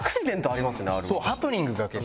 そうハプニングが結構ね。